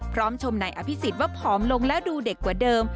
พร้อมชมในอภิกษิวะผอมลงและดูเด็กกว่าเดิม